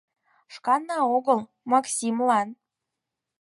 Шканна огыл — Максымлан.